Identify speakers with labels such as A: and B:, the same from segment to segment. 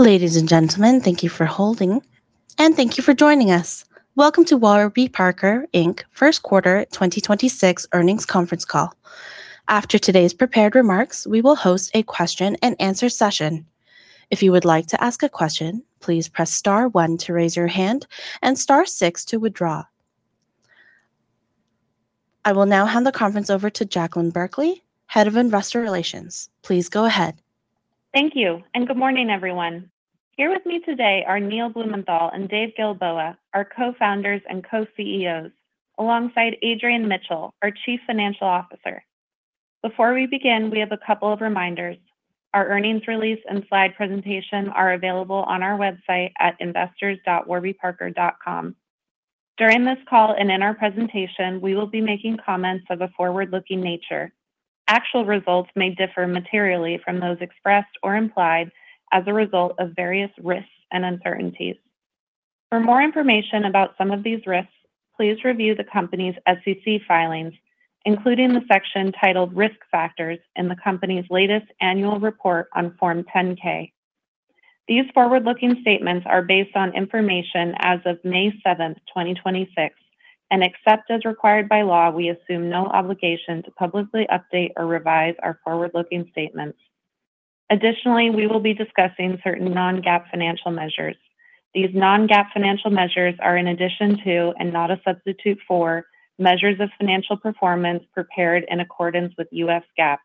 A: Ladies and gentlemen, thank you for holding, and thank you for joining us. Welcome to Warby Parker Inc. First Quarter 2026 earnings conference call. After today's prepared remarks, we will host a question and answer session. If you would like to ask a question, please press star one to raise your hand and star six to withdraw. I will now hand the conference over to Jaclyn Berkley, Head of Investor Relations. Please go ahead.
B: Thank you, good morning, everyone. Here with me today are Neil Blumenthal and Dave Gilboa, our Co-Founders and Co-CEOs, alongside Adrian Mitchell, our Chief Financial Officer. Before we begin, we have a couple of reminders. Our earnings release and slide presentation are available on our website at investors.warbyparker.com. During this call and in our presentation, we will be making comments of a forward-looking nature. Actual results may differ materially from those expressed or implied as a result of various risks and uncertainties. For more information about some of these risks, please review the company's SEC filings, including the section titled Risk Factors in the company's latest annual report on Form 10-K. These forward-looking statements are based on information as of May 7th, 2026, and except as required by law, we assume no obligation to publicly update or revise our forward-looking statements. Additionally, we will be discussing certain non-GAAP financial measures. These non-GAAP financial measures are in addition to, and not a substitute for, measures of financial performance prepared in accordance with U.S. GAAP.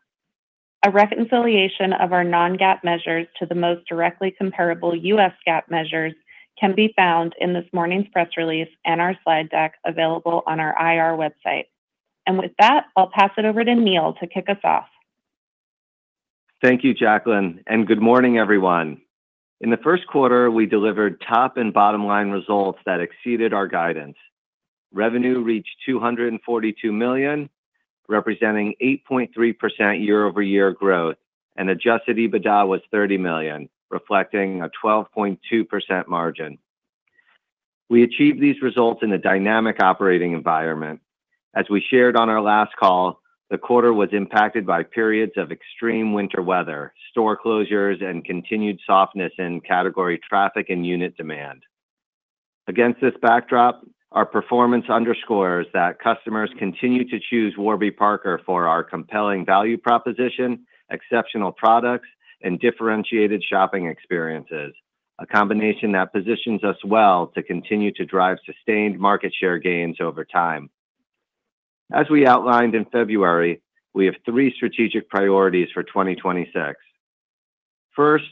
B: A reconciliation of our non-GAAP measures to the most directly comparable U.S. GAAP measures can be found in this morning's press release and our slide deck available on our IR website. With that, I'll pass it over to Neil to kick us off.
C: Thank you, Jaclyn, good morning, everyone. In the first quarter, we delivered top and bottom-line results that exceeded our guidance. Revenue reached $242 million, representing 8.3% year-over-year growth, and adjusted EBITDA was $30 million, reflecting a 12.2% margin. We achieved these results in a dynamic operating environment. As we shared on our last call, the quarter was impacted by periods of extreme winter weather, store closures, and continued softness in category traffic and unit demand. Against this backdrop, our performance underscores that customers continue to choose Warby Parker for our compelling value proposition, exceptional products, and differentiated shopping experiences, a combination that positions us well to continue to drive sustained market share gains over time. As we outlined in February, we have three strategic priorities for 2026. First,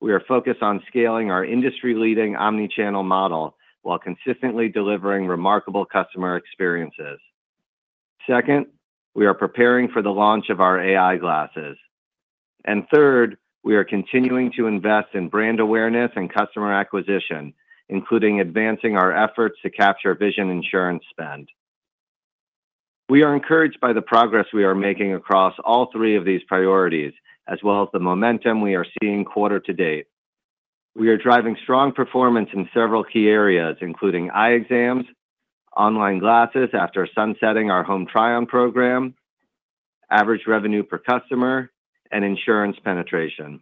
C: we are focused on scaling our industry-leading omni-channel model while consistently delivering remarkable customer experiences. Second, we are preparing for the launch of our AI glasses. Third, we are continuing to invest in brand awareness and customer acquisition, including advancing our efforts to capture vision insurance spend. We are encouraged by the progress we are making across all three of these priorities, as well as the momentum we are seeing quarter to date. We are driving strong performance in several key areas, including eye exams, online glasses after sunsetting our Home Try-On program, average revenue per customer, and insurance penetration.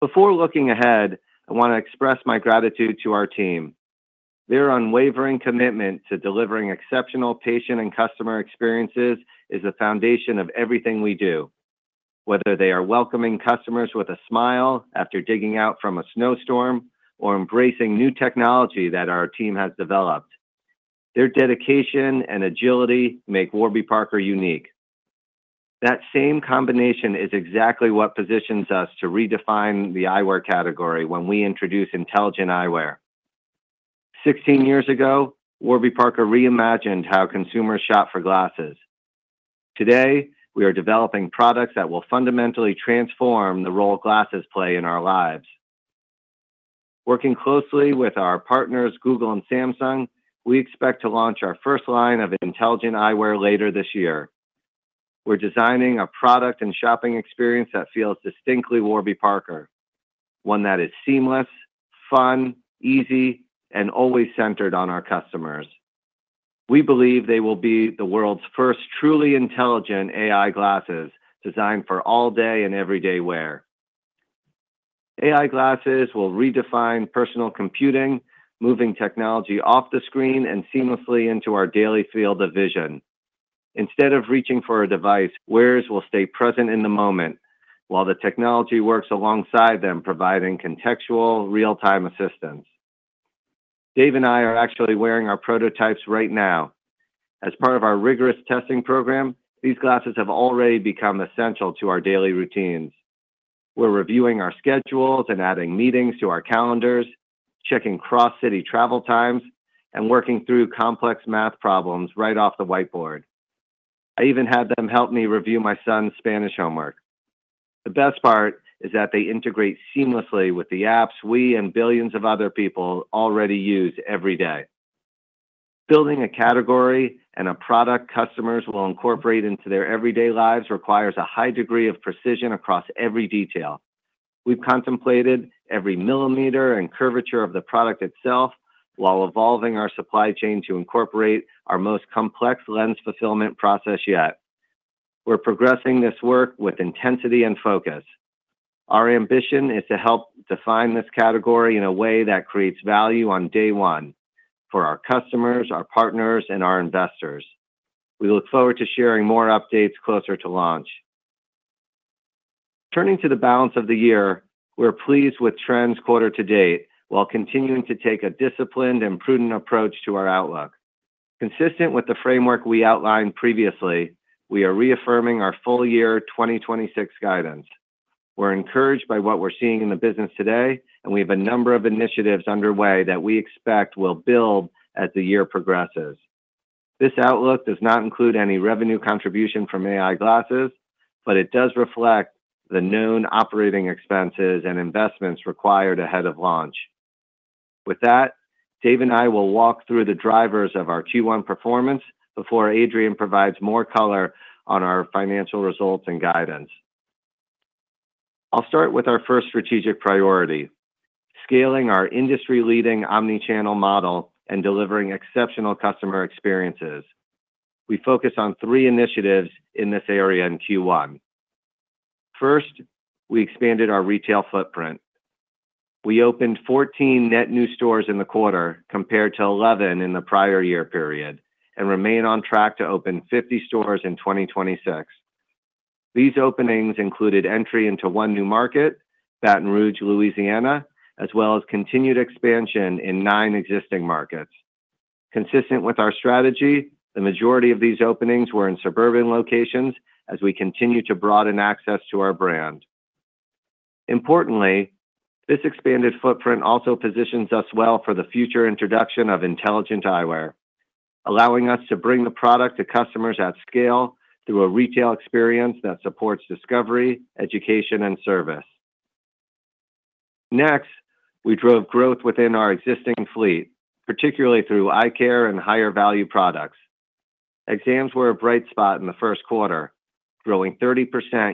C: Before looking ahead, I want to express my gratitude to our team. Their unwavering commitment to delivering exceptional patient and customer experiences is the foundation of everything we do. Whether they are welcoming customers with a smile after digging out from a snowstorm or embracing new technology that our team has developed, their dedication and agility make Warby Parker unique. That same combination is exactly what positions us to redefine the eyewear category when we introduce intelligent eyewear. 16 years ago, Warby Parker reimagined how consumers shop for glasses. Today, we are developing products that will fundamentally transform the role glasses play in our lives. Working closely with our partners, Google and Samsung, we expect to launch our first line of intelligent eyewear later this year. We're designing a product and shopping experience that feels distinctly Warby Parker, one that is seamless, fun, easy, and always centered on our customers. We believe they will be the world's first truly intelligent AI glasses designed for all day and every day wear. AI glasses will redefine personal computing, moving technology off the screen and seamlessly into our daily field of vision. Instead of reaching for a device, wearers will stay present in the moment while the technology works alongside them, providing contextual real-time assistance. Dave and I are actually wearing our prototypes right now. As part of our rigorous testing program, these glasses have already become essential to our daily routines. We're reviewing our schedules and adding meetings to our calendars, checking cross-city travel times, and working through complex math problems right off the whiteboard. I even had them help me review my son's Spanish homework. The best part is that they integrate seamlessly with the apps we and billions of other people already use every day. Building a category and a product customers will incorporate into their everyday lives requires a high degree of precision across every detail. We've contemplated every millimeter and curvature of the product itself while evolving our supply chain to incorporate our most complex lens fulfillment process yet. We're progressing this work with intensity and focus. Our ambition is to help define this category in a way that creates value on day one for our customers, our partners, and our investors. We look forward to sharing more updates closer to launch. Turning to the balance of the year, we're pleased with trends quarter to date while continuing to take a disciplined and prudent approach to our outlook. Consistent with the framework we outlined previously, we are reaffirming our full year 2026 guidance. We're encouraged by what we're seeing in the business today, and we have a number of initiatives underway that we expect will build as the year progresses. This outlook does not include any revenue contribution from AI glasses, but it does reflect the known operating expenses and investments required ahead of launch. Dave Gilboa and I will walk through the drivers of our Q1 performance before Adrian Mitchell provides more color on our financial results and guidance. I'll start with our first strategic priority, scaling our industry-leading omni-channel model and delivering exceptional customer experiences. We focus on three initiatives in this area in Q1. First, we expanded our retail footprint. We opened 14 net new stores in the quarter compared to 11 in the prior year period and remain on track to open 50 stores in 2026. These openings included entry into one new market, Baton Rouge, Louisiana, as well as continued expansion in nine existing markets. Consistent with our strategy, the majority of these openings were in suburban locations as we continue to broaden access to our brand. Importantly, this expanded footprint also positions us well for the future introduction of intelligent eyewear, allowing us to bring the product to customers at scale through a retail experience that supports discovery, education, and service. We drove growth within our existing fleet, particularly through eye care and higher value products. Exams were a bright spot in the first quarter, growing 30%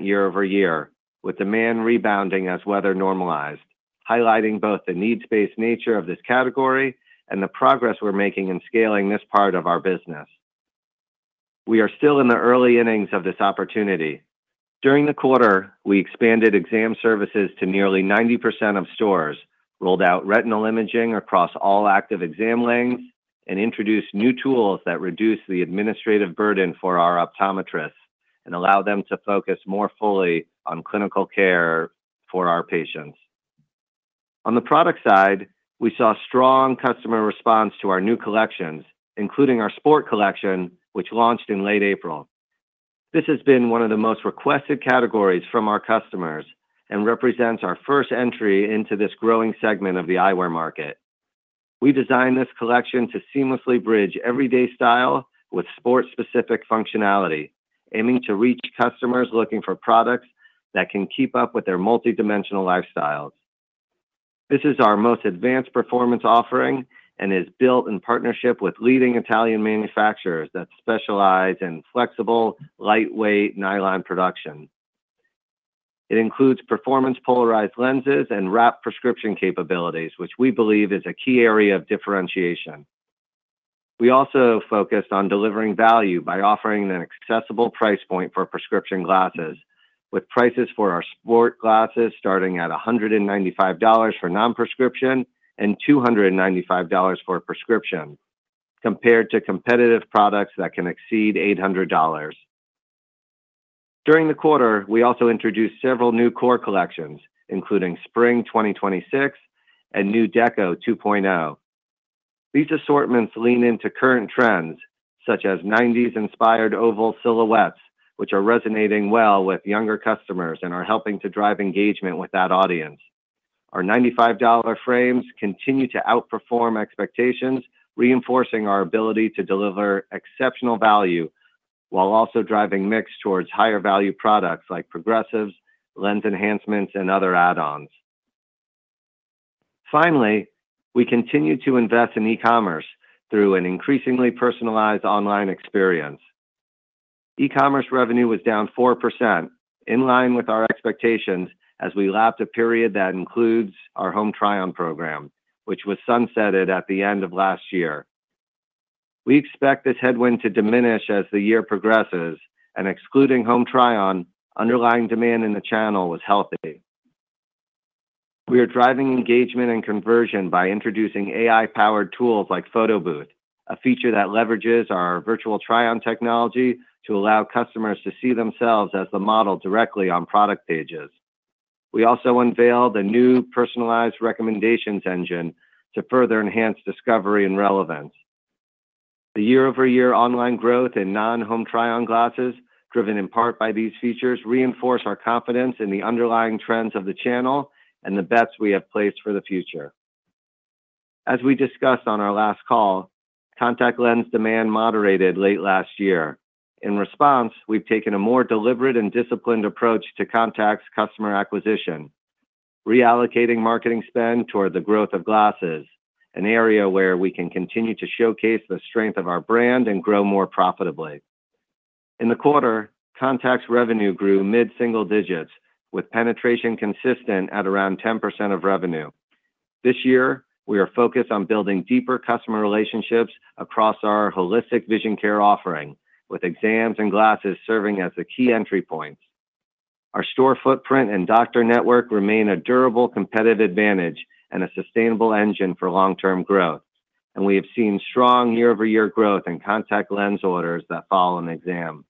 C: year-over-year, with demand rebounding as weather normalized, highlighting both the needs-based nature of this category and the progress we're making in scaling this part of our business. We are still in the early innings of this opportunity. During the quarter, we expanded exam services to nearly 90% of stores, rolled out retinal imaging across all active exam lanes, and introduced new tools that reduce the administrative burden for our optometrists and allow them to focus more fully on clinical care for our patients. On the product side, we saw strong customer response to our new collections, including our Sport collection, which launched in late April. This has been one of the most requested categories from our customers and represents our first entry into this growing segment of the eyewear market. We designed this collection to seamlessly bridge everyday style with sport-specific functionality, aiming to reach customers looking for products that can keep up with their multidimensional lifestyles. This is our most advanced performance offering and is built in partnership with leading Italian manufacturers that specialize in flexible, lightweight nylon production. It includes performance polarized lenses and wrap prescription capabilities, which we believe is a key area of differentiation. We also focused on delivering value by offering an accessible price point for prescription glasses, with prices for our Sport glasses starting at $195 for non-prescription and $295 for prescription, compared to competitive products that can exceed $800. During the quarter, we also introduced several new core collections, including Spring 2026 and New Deco 2.0. These assortments lean into current trends such as 90s-inspired oval silhouettes, which are resonating well with younger customers and are helping to drive engagement with that audience. Our $95 frames continue to outperform expectations, reinforcing our ability to deliver exceptional value while also driving mix towards higher value products like progressives, lens enhancements, and other add-ons. We continue to invest in e-commerce through an increasingly personalized online experience. E-commerce revenue was down 4%, in line with our expectations as we lapped a period that includes our Home Try-On program, which was sunsetted at the end of last year. We expect this headwind to diminish as the year progresses, and excluding Home Try-On, underlying demand in the channel was healthy. We are driving engagement and conversion by introducing AI-powered tools like Photo Booth, a feature that leverages our virtual try-on technology to allow customers to see themselves as the model directly on product pages. We also unveiled a new personalized recommendations engine to further enhance discovery and relevance. The year-over-year online growth in non-Home Try-On glasses, driven in part by these features, reinforce our confidence in the underlying trends of the channel and the bets we have placed for the future. As we discussed on our last call, contact lens demand moderated late last year. In response, we've taken a more deliberate and disciplined approach to contacts customer acquisition, reallocating marketing spend toward the growth of glasses, an area where we can continue to showcase the strength of our brand and grow more profitably. In the quarter, contacts revenue grew mid-single digits, with penetration consistent at around 10% of revenue. This year, we are focused on building deeper customer relationships across our holistic vision care offering, with exams and glasses serving as the key entry points. Our store footprint and doctor network remain a durable competitive advantage and a sustainable engine for long-term growth, and we have seen strong year-over-year growth in contact lens orders that follow an exam.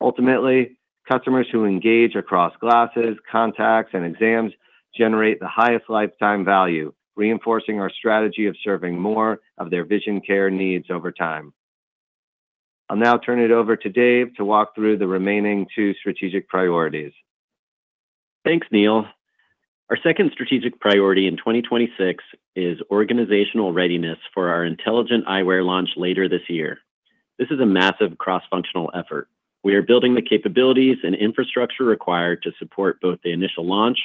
C: Ultimately, customers who engage across glasses, contacts, and exams generate the highest lifetime value, reinforcing our strategy of serving more of their vision care needs over time. I'll now turn it over to Dave to walk through the remaining two strategic priorities.
D: Thanks, Neil. Our second strategic priority in 2026 is organizational readiness for our intelligent eyewear launch later this year. This is a massive cross-functional effort. We are building the capabilities and infrastructure required to support both the initial launch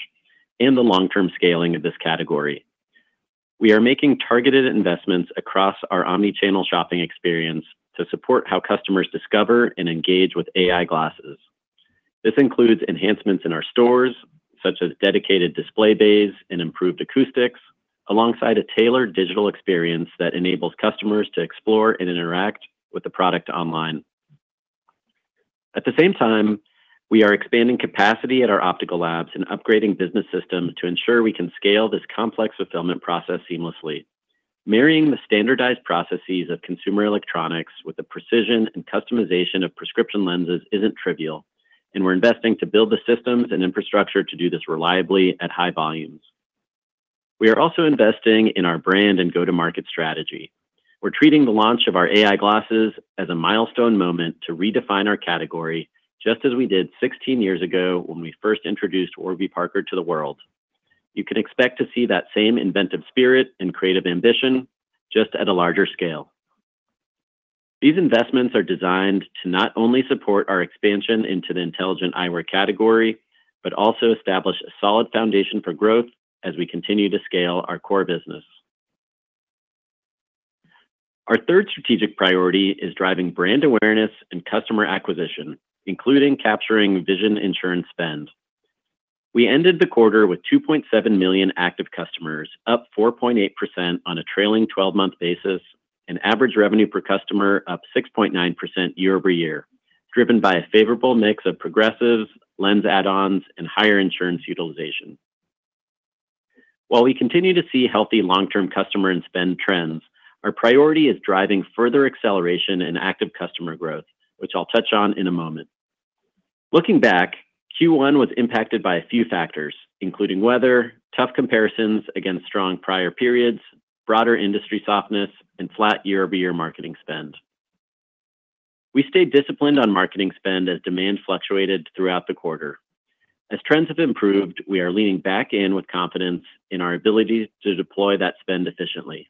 D: and the long-term scaling of this category. We are making targeted investments across our omni-channel shopping experience to support how customers discover and engage with AI glasses. This includes enhancements in our stores, such as dedicated display bays and improved acoustics, alongside a tailored digital experience that enables customers to explore and interact with the product online. At the same time, we are expanding capacity at our optical labs and upgrading business systems to ensure we can scale this complex fulfillment process seamlessly. Marrying the standardized processes of consumer electronics with the precision and customization of prescription lenses isn't trivial, and we're investing to build the systems and infrastructure to do this reliably at high volumes. We are also investing in our brand and go-to-market strategy. We're treating the launch of our AI glasses as a milestone moment to redefine our category, just as we did 16 years ago when we first introduced Warby Parker to the world. You can expect to see that same inventive spirit and creative ambition, just at a larger scale. These investments are designed to not only support our expansion into the intelligent eyewear category, but also establish a solid foundation for growth as we continue to scale our core business. Our third strategic priority is driving brand awareness and customer acquisition, including capturing vision insurance spend. We ended the quarter with 2.7 million active customers, up 4.8% on a trailing 12-month basis, and average revenue per customer up 6.9% year-over-year, driven by a favorable mix of progressives, lens add-ons, and higher insurance utilization. We continue to see healthy long-term customer and spend trends, our priority is driving further acceleration in active customer growth, which I'll touch on in a moment. Looking back, Q1 was impacted by a few factors, including weather, tough comparisons against strong prior periods, broader industry softness, and flat year-over-year marketing spend. We stayed disciplined on marketing spend as demand fluctuated throughout the quarter. Trends have improved, we are leaning back in with confidence in our ability to deploy that spend efficiently.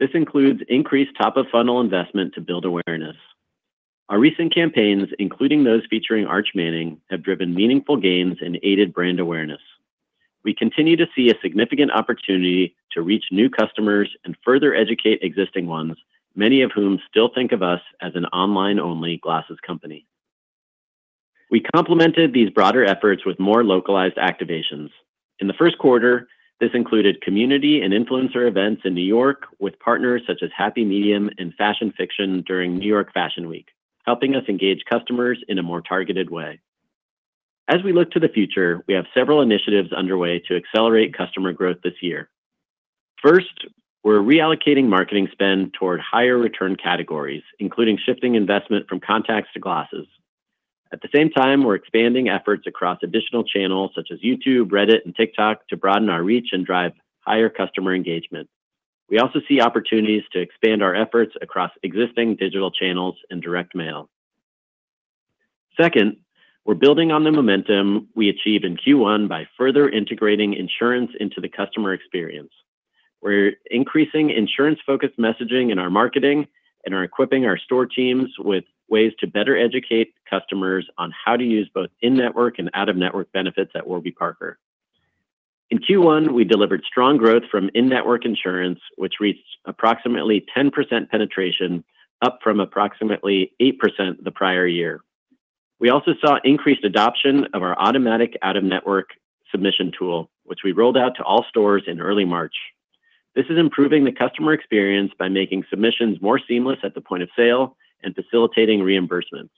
D: This includes increased top-of-funnel investment to build awareness. Our recent campaigns, including those featuring Arch Manning, have driven meaningful gains and aided brand awareness. We continue to see a significant opportunity to reach new customers and further educate existing ones, many of whom still think of us as an online-only glasses company. We complemented these broader efforts with more localized activations. In the first quarter, this included community and influencer events in New York with partners such as Happy Medium and Fashion Fiction during New York Fashion Week, helping us engage customers in a more targeted way. As we look to the future, we have several initiatives underway to accelerate customer growth this year. First, we're reallocating marketing spend toward higher return categories, including shifting investment from contacts to glasses. At the same time, we're expanding efforts across additional channels such as YouTube, Reddit, and TikTok to broaden our reach and drive higher customer engagement. We also see opportunities to expand our efforts across existing digital channels and direct mail. Second, we're building on the momentum we achieved in Q1 by further integrating insurance into the customer experience. We're increasing insurance-focused messaging in our marketing and are equipping our store teams with ways to better educate customers on how to use both in-network and out-of-network benefits at Warby Parker. In Q1, we delivered strong growth from in-network insurance, which reached approximately 10% penetration, up from approximately 8% the prior year. We also saw increased adoption of our automatic out-of-network submission tool, which we rolled out to all stores in early March. This is improving the customer experience by making submissions more seamless at the point of sale and facilitating reimbursements.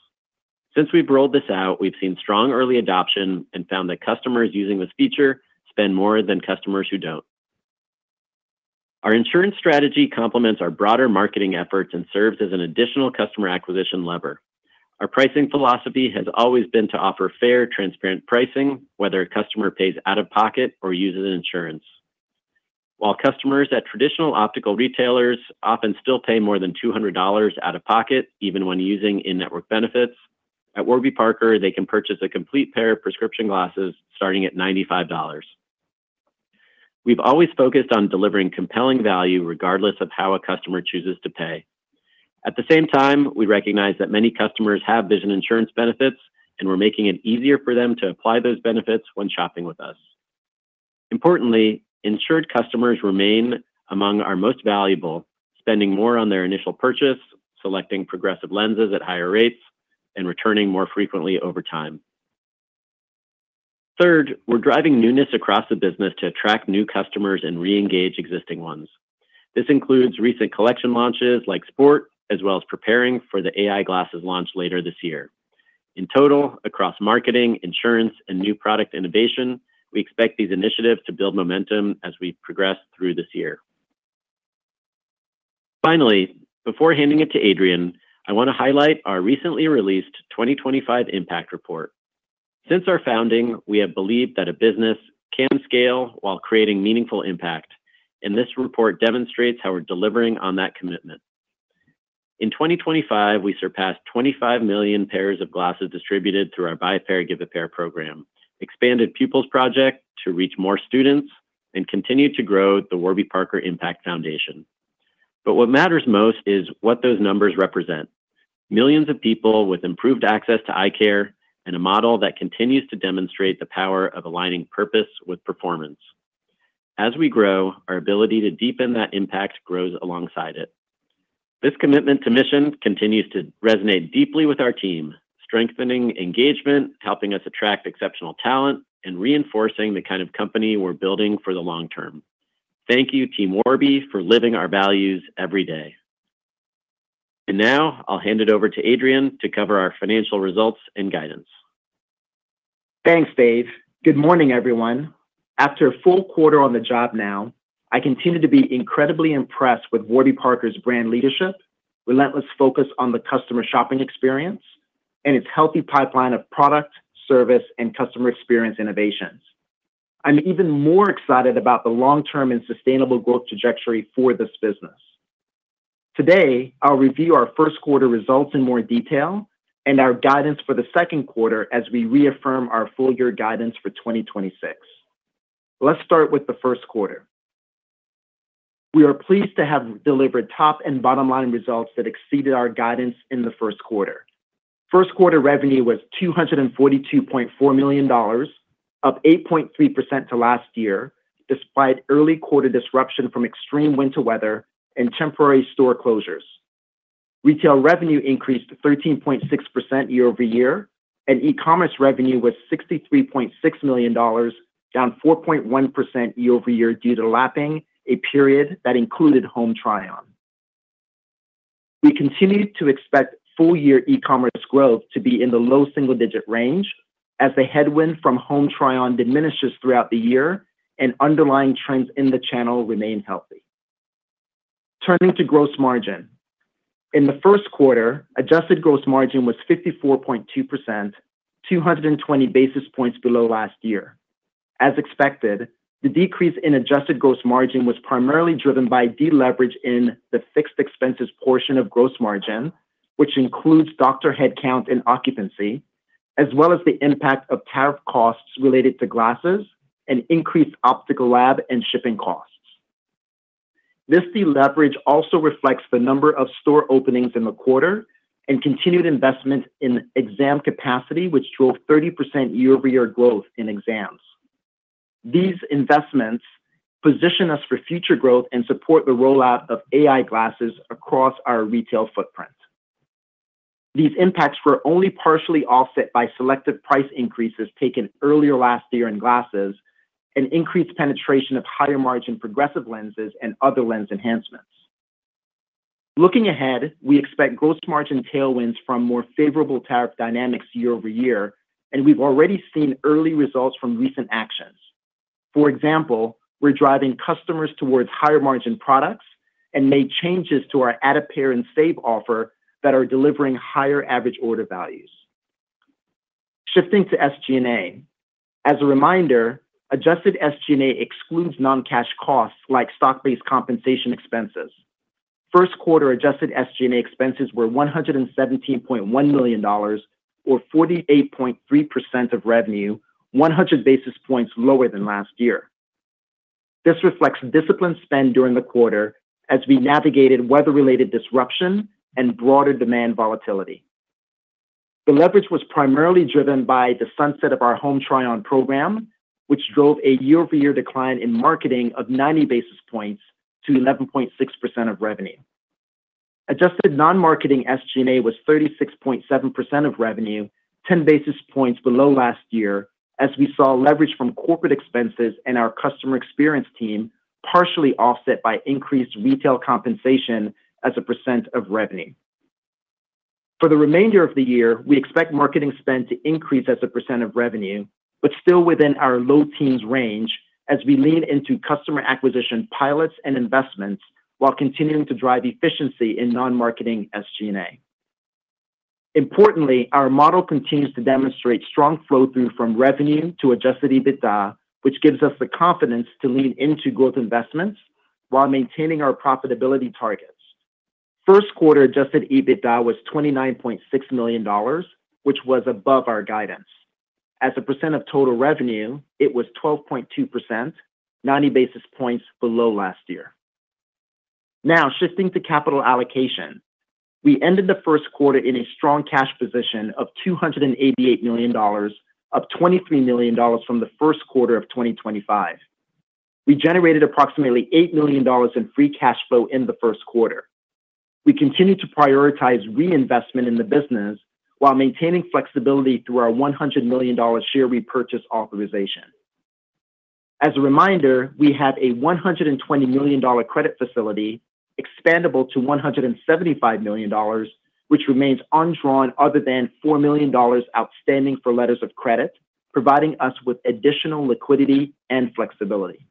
D: Since we've rolled this out, we've seen strong early adoption and found that customers using this feature spend more than customers who don't. Our insurance strategy complements our broader marketing efforts and serves as an additional customer acquisition lever. Our pricing philosophy has always been to offer fair, transparent pricing, whether a customer pays out of pocket or uses insurance. While customers at traditional optical retailers often still pay more than $200 out of pocket, even when using in-network benefits, at Warby Parker, they can purchase a complete pair of prescription glasses starting at $95. We've always focused on delivering compelling value regardless of how a customer chooses to pay. At the same time, we recognize that many customers have vision insurance benefits, and we're making it easier for them to apply those benefits when shopping with us. Insured customers remain among our most valuable, spending more on their initial purchase, selecting progressive lenses at higher rates, and returning more frequently over time. We're driving newness across the business to attract new customers and reengage existing ones. This includes recent collection launches like sport, as well as preparing for the AI glasses launch later this year. Across marketing, insurance, and new product innovation, we expect these initiatives to build momentum as we progress through this year. Before handing it to Adrian Mitchell, I want to highlight our recently released 2025 impact report. Since our founding, we have believed that a business can scale while creating meaningful impact, this report demonstrates how we're delivering on that commitment. In 2025, we surpassed 25 million pairs of glasses distributed through our Buy a Pair, Give a Pair program, expanded Pupils Project to reach more students, and continued to grow the Warby Parker Impact Foundation. What matters most is what those numbers represent. Millions of people with improved access to eye care and a model that continues to demonstrate the power of aligning purpose with performance. As we grow, our ability to deepen that impact grows alongside it. This commitment to mission continues to resonate deeply with our team, strengthening engagement, helping us attract exceptional talent, and reinforcing the kind of company we're building for the long term. Thank you, Team Warby, for living our values every day. Now I'll hand it over to Adrian to cover our financial results and guidance.
E: Thanks, Dave. Good morning, everyone. After a full quarter on the job now, I continue to be incredibly impressed with Warby Parker's brand leadership, relentless focus on the customer shopping experience, and its healthy pipeline of product, service, and customer experience innovations. I'm even more excited about the long-term and sustainable growth trajectory for this business. Today, I'll review our first quarter results in more detail and our guidance for the second quarter as we reaffirm our full-year guidance for 2026. Let's start with the first quarter. We are pleased to have delivered top and bottom line results that exceeded our guidance in the first quarter. First quarter revenue was $242.4 million, up 8.3% to last year, despite early quarter disruption from extreme winter weather and temporary store closures. Retail revenue increased 13.6% year-over-year. E-commerce revenue was $63.6 million, down 4.1% year-over-year due to lapping, a period that included Home Try-On. We continue to expect full-year e-commerce growth to be in the low single-digit range as the headwind from Home Try-On diminishes throughout the year and underlying trends in the channel remain healthy. Turning to gross margin. In the first quarter, adjusted gross margin was 54.2%, 220 basis points below last year. As expected, the decrease in adjusted gross margin was primarily driven by deleverage in the fixed expenses portion of gross margin, which includes doctor headcount and occupancy, as well as the impact of tariff costs related to glasses and increased optical lab and shipping costs. This deleverage also reflects the number of store openings in the quarter and continued investment in exam capacity, which drove 30% year-over-year growth in exams. These investments position us for future growth and support the rollout of AI glasses across our retail footprint. These impacts were only partially offset by selective price increases taken earlier last year in glasses and increased penetration of higher margin progressive lenses and other lens enhancements. Looking ahead, we expect gross margin tailwinds from more favorable tariff dynamics year-over-year. We've already seen early results from recent actions. For example, we're driving customers towards higher margin products and made changes to our Add a Pair and Save offer that are delivering higher average order values. Shifting to SG&A. As a reminder, adjusted SG&A excludes non-cash costs like stock-based compensation expenses. First quarter adjusted SG&A expenses were $117.1 million or 48.3% of revenue, 100 basis points lower than last year. This reflects disciplined spend during the quarter as we navigated weather-related disruption and broader demand volatility. The leverage was primarily driven by the sunset of our Home Try-On program, which drove a year-over-year decline in marketing of 90 basis points to 11.6% of revenue. Adjusted non-marketing SG&A was 36.7% of revenue, 10 basis points below last year, as we saw leverage from corporate expenses and our customer experience team partially offset by increased retail compensation as a percent of revenue. For the remainder of the year, we expect marketing spend to increase as a percent of revenue, but still within our low teens range as we lean into customer acquisition pilots and investments while continuing to drive efficiency in non-marketing SG&A. Importantly, our model continues to demonstrate strong flow through from revenue to adjusted EBITDA, which gives us the confidence to lean into growth investments while maintaining our profitability targets. First quarter adjusted EBITDA was $29.6 million, which was above our guidance. As a percent of total revenue, it was 12.2%, 90 basis points below last year. Now, shifting to capital allocation. We ended the first quarter in a strong cash position of $288 million, up $23 million from the first quarter of 2025. We generated approximately $8 million in free cash flow in the first quarter. We continue to prioritize reinvestment in the business while maintaining flexibility through our $100 million share repurchase authorization. As a reminder, we have a $120 million credit facility expandable to $175 million, which remains undrawn other than $4 million outstanding for letters of credit, providing us with additional liquidity and flexibility.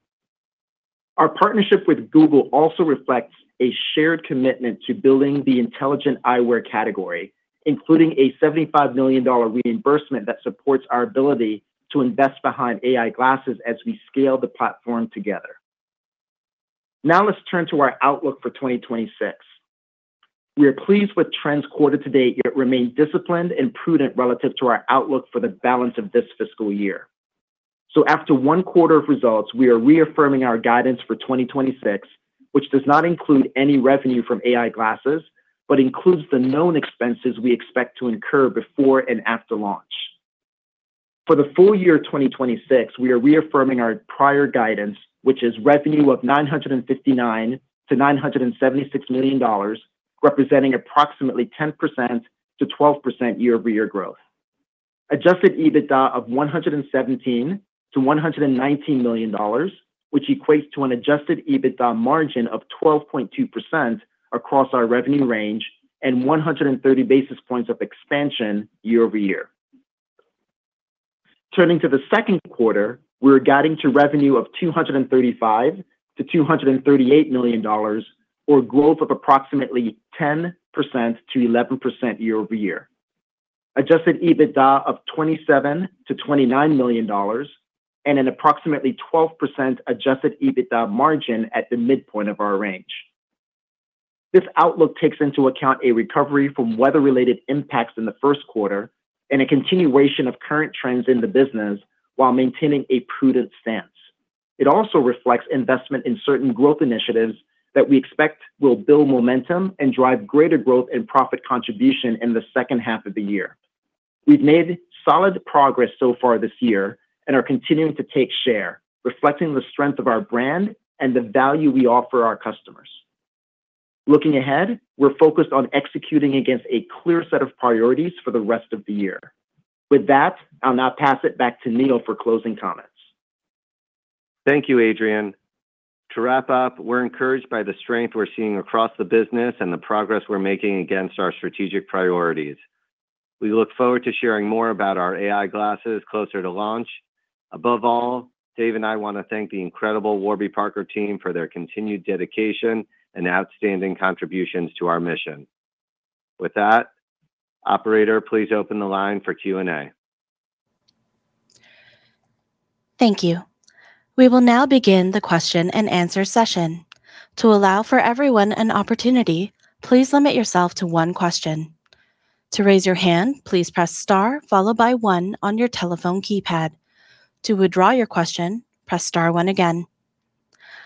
E: Our partnership with Google also reflects a shared commitment to building the intelligent eyewear category, including a $75 million reimbursement that supports our ability to invest behind AI glasses as we scale the platform together. Now let's turn to our outlook for 2026. We are pleased with trends quarter to date, yet remain disciplined and prudent relative to our outlook for the balance of this fiscal year. After one quarter of results, we are reaffirming our guidance for 2026, which does not include any revenue from AI glasses, but includes the known expenses we expect to incur before and after launch. For the full year 2026, we are reaffirming our prior guidance, which is revenue of $959 million-$976 million, representing approximately 10%-12% year-over-year growth. Adjusted EBITDA of $117 million-$119 million, which equates to an adjusted EBITDA margin of 12.2% across our revenue range and 130 basis points of expansion year-over-year. Turning to the second quarter, we're guiding to revenue of $235 million-$238 million or growth of approximately 10%-11% year-over-year. Adjusted EBITDA of $27 million-$29 million and an approximately 12% adjusted EBITDA margin at the midpoint of our range. This outlook takes into account a recovery from weather-related impacts in the first quarter and a continuation of current trends in the business while maintaining a prudent stance. It also reflects investment in certain growth initiatives that we expect will build momentum and drive greater growth and profit contribution in the second half of the year. We've made solid progress so far this year and are continuing to take share, reflecting the strength of our brand and the value we offer our customers. Looking ahead, we're focused on executing against a clear set of priorities for the rest of the year. With that, I'll now pass it back to Neil for closing comments.
C: Thank you, Adrian. To wrap up, we're encouraged by the strength we're seeing across the business and the progress we're making against our strategic priorities. We look forward to sharing more about our AI glasses closer to launch. Above all, Dave and I want to thank the incredible Warby Parker team for their continued dedication and outstanding contributions to our mission. With that, operator, please open the line for Q&A.
A: Thank you. We will now begin the question and answer session. To allow for everyone an opportunity, please limit yourself to one question. To raise your hand, please press star followed by one on your telephone keypad. To withdraw your question, press star one again.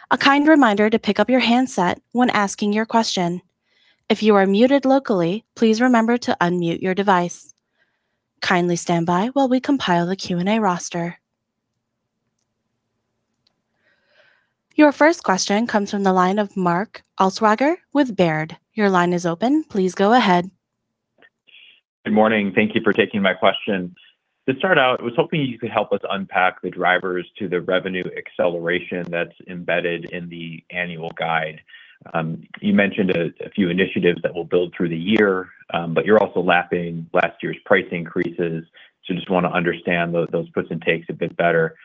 A: A kind reminder to pick up your handset when asking your question. If you are muted locally, please remember to unmute your device. Kindly stand by while we compile the Q&A roster. Your first question comes from the line of Mark Altschwager with Baird. Your line is open. Please go ahead.
F: Good morning. Thank you for taking my question. To start out, I was hoping you could help us unpack the drivers to the revenue acceleration that's embedded in the annual guide. You mentioned a few initiatives that will build through the year, but you're also lapping last year's price increases. Just want to understand those puts and takes a bit better.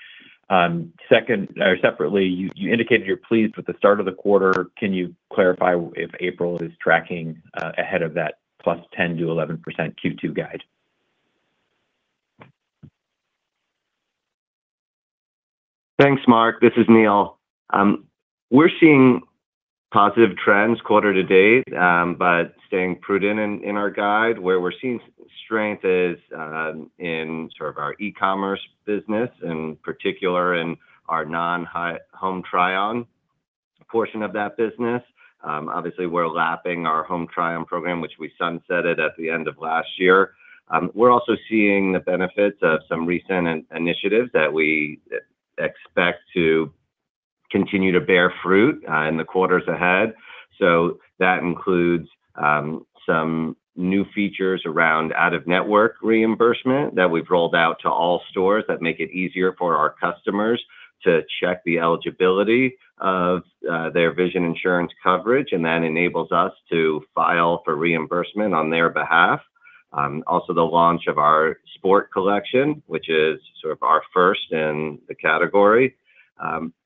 F: Second or separately, you indicated you're pleased with the start of the quarter. Can you clarify if April is tracking ahead of that +10%-11% Q2 guide?
C: Thanks, Mark. This is Neil. We're seeing positive trends quarter to date, staying prudent in our guide. Where we're seeing strength is in sort of our e-commerce business, in particular in our non-Home Try-On portion of that business. Obviously, we're lapping our Home Try-On program, which we sunsetted at the end of last year. We're also seeing the benefits of some recent initiatives that we expect to continue to bear fruit in the quarters ahead. That includes some new features around out-of-network reimbursement that we've rolled out to all stores that make it easier for our customers to check the eligibility of their vision insurance coverage, and that enables us to file for reimbursement on their behalf. Also the launch of our Sport collection, which is sort of our first in the category. Some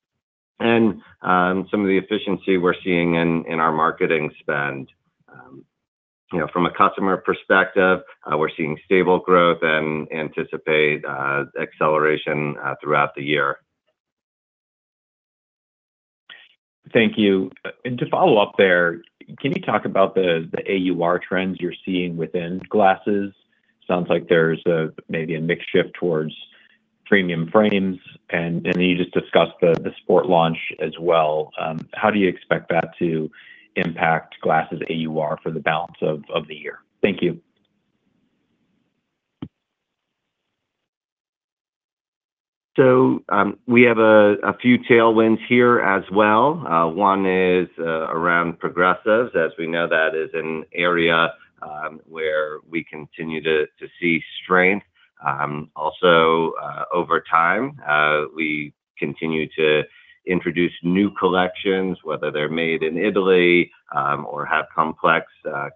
C: of the efficiency we're seeing in our marketing spend. You know, from a customer perspective, we're seeing stable growth and anticipate acceleration throughout the year.
F: Thank you. To follow up there, can you talk about the AUR trends you're seeing within glasses? Sounds like there's a maybe a mix shift towards premium frames and you just discussed the sport launch as well. How do you expect that to impact glasses AUR for the balance of the year? Thank you.
C: We have a few tailwinds here as well. One is around progressives. As we know, that is an area where we continue to see strength. Also, over time, we continue to introduce new collections, whether they're made in Italy, or have complex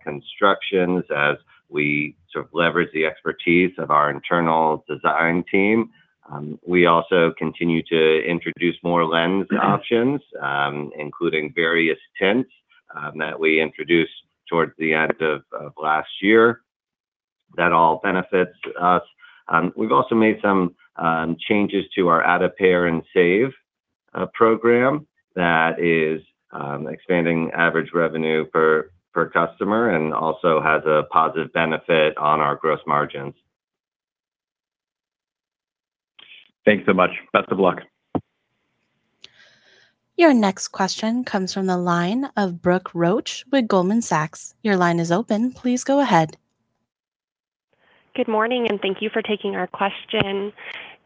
C: constructions as we sort of leverage the expertise of our internal design team. We also continue to introduce more lens options, including various tints that we introduced towards the end of last year. That all benefits us. We've also made some changes to our Add a Pair and Save program that is expanding average revenue per customer and also has a positive benefit on our gross margins.
F: Thanks so much. Best of luck.
A: Your next question comes from the line of Brooke Roach with Goldman Sachs. Your line is open. Please go ahead.
G: Good morning, thank you for taking our question.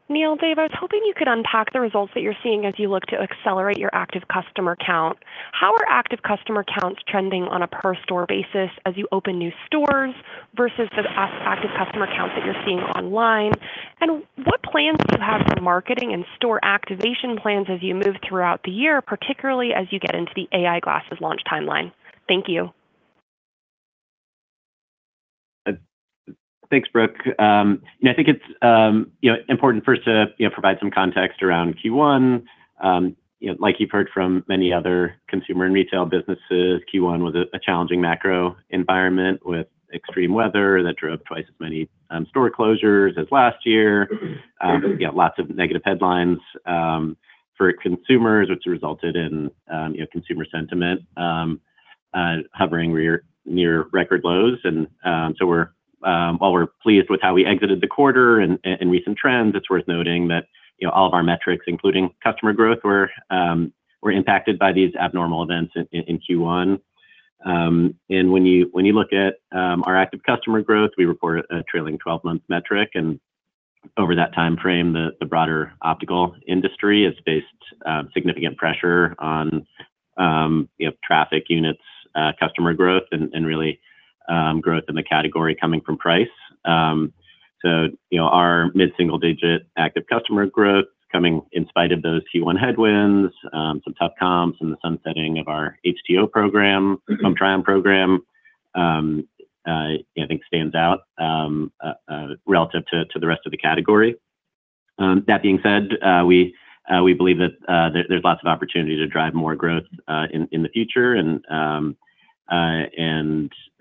G: Neil, Dave, I was hoping you could unpack the results that you're seeing as you look to accelerate your active customer count. How are active customer counts trending on a per store basis as you open new stores versus the active customer counts that you're seeing online? What plans do you have for marketing and store activation plans as you move throughout the year, particularly as you get into the AI glasses launch timeline? Thank you.
D: Thanks, Brooke. You know, I think it's, you know, important first to, you know, provide some context around Q1. You know, like you've heard from many other consumer and retail businesses, Q1 was a challenging macro environment with extreme weather that drove twice as many store closures as last year. Yeah, lots of negative headlines for consumers, which resulted in, you know, consumer sentiment hovering near record lows. While we're pleased with how we exited the quarter and recent trends, it's worth noting that, you know, all of our metrics, including customer growth, were impacted by these abnormal events in Q1. When you look at our active customer growth, we report a trailing 12-month metric, and over that timeframe, the broader optical industry has faced significant pressure on, you know, traffic units, customer growth and really, growth in the category coming from price. So, you know, our mid-single-digit active customer growth coming in spite of those Q1 headwinds, some tough comps and the sunsetting of our HTO program, Home Try-On program, I think stands out relative to the rest of the category. That being said, we believe that there's lots of opportunity to drive more growth in the future and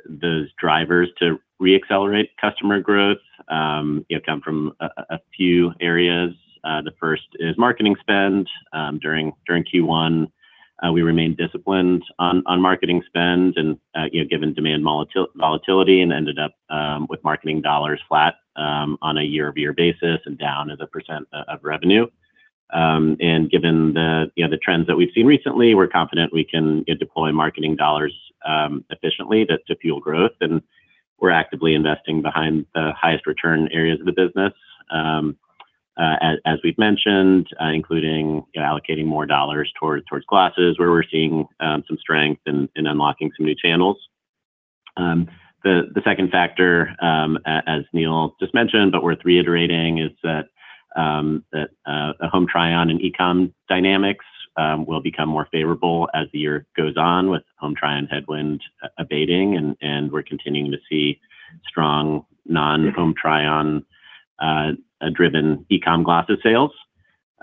D: those drivers to re-accelerate customer growth, you know, come from a few areas. The first is marketing spend. During Q1, we remained disciplined on marketing spend, you know, given demand volatility and ended up with marketing dollars flat on a year-over-year basis and down as a percent of revenue. Given the, you know, the trends that we've seen recently, we're confident we can deploy marketing dollars efficiently to fuel growth, and we're actively investing behind the highest return areas of the business, as we've mentioned, including allocating more dollars towards glasses, where we're seeing some strength in unlocking some new channels. The second factor, as Neil just mentioned, but worth reiterating is that Home Try-On and e-com dynamics will become more favorable as the year goes on with Home Try-On headwind abating and we're continuing to see strong non-Home Try-On driven e-com glasses sales.